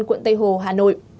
quận tây hồ hà nội